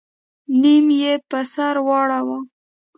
نيم يې په سر واړوه.